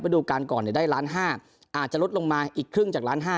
ดูการก่อนได้ล้านห้าอาจจะลดลงมาอีกครึ่งจากล้านห้า